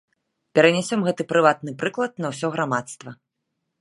Перанясем гэты прыватны прыклад на ўсё грамадства.